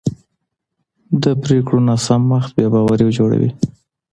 د پرېکړو ناسم وخت بې باوري جوړوي